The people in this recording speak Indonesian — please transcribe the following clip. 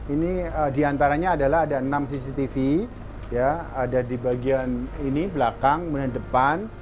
ini diantaranya adalah ada enam cctv ada di bagian ini belakang kemudian depan